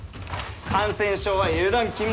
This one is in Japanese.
感染症は油断禁物です。